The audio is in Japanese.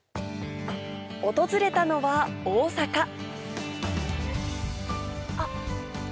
訪れたのはあっ！